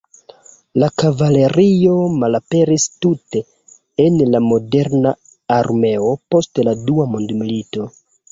La kavalerio malaperis tute el la moderna armeo post la Dua Mondmilito.